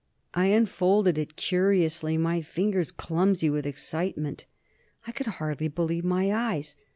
I unfolded it curiously, my fingers clumsy with excitement. I could hardly believe my eyes.